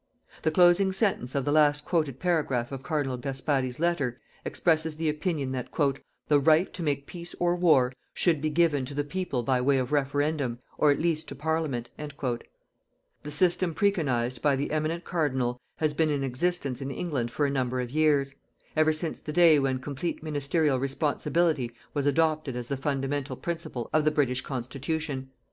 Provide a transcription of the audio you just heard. The closing sentence of the last quoted paragraph of Cardinal Gasparri's letter expresses the opinion that "the right to make peace or war should be given to the people by way of referendum, or at least to Parliament." The system preconized by the Eminent Cardinal has been in existence in England for a number of years; ever since the day when complete ministerial responsibility was adopted as the fundamental principle of the British constitution.